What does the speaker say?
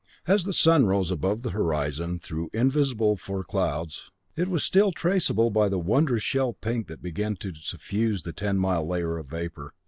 As the sun rose above the horizon, though invisible for clouds, it still was traceable by the wondrous shell pink that began to suffuse the ten mile layer of vapor.